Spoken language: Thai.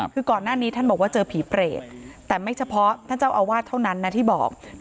คือก่อนหน้านี้ท่านบอกว่าเจอผีเปรตแต่ไม่เฉพาะท่านเจ้าอาวาสเท่านั้นนะที่บอก